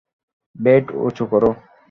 Bed উঁচু করো।